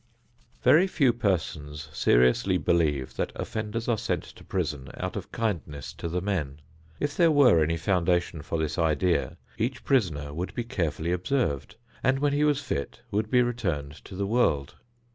Very few persons seriously believe that offenders are sent to prison out of kindness to the men. If there were any foundation for this idea, each prisoner would be carefully observed, and when he was fit would be returned to the world.